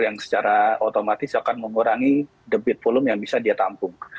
yang secara otomatis akan mengurangi debit volume yang bisa dia tampung